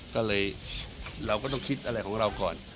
ก็เลยเราก็ต้องคิดอะไรของเราก่อน